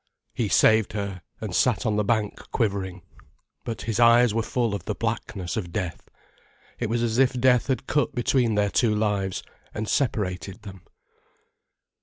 He saved her, and sat on the bank, quivering. But his eyes were full of the blackness of death. It was as if death had cut between their two lives, and separated them.